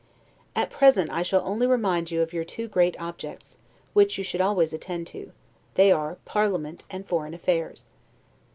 At present I shall only remind you of your two great objects, which you should always attend to; they are parliament and foreign affairs.